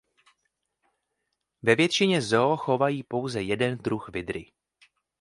Ve většině zoo chovají pouze jeden druh vydry.